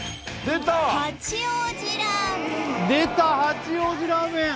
出た八王子ラーメン